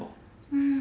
うん。